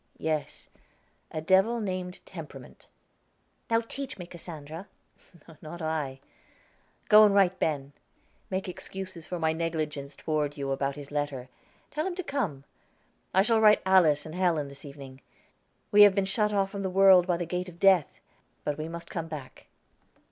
"Yes; a devil named Temperament." "Now teach me, Cassandra." "Not I. Go, and write Ben. Make excuses for my negligence toward you about his letter. Tell him to come. I shall write Alice and Helen this evening. We have been shut off from the world by the gate of Death; but we must come back."